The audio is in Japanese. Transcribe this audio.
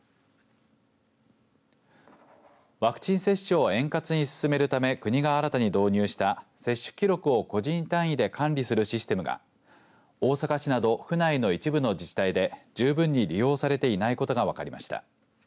ワクチン接種を円滑に進めるため国が新たに導入した接種記録を個人単位で管理するシステムが大阪市など府内の一部の自治体で十分に利用されていないことが分かりました。